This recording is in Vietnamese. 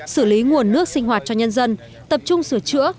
xử lý nguồn nước sinh hoạt cho nhân dân tập trung sửa chữa